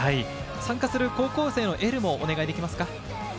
参加する高校生にエールもお願いできますか？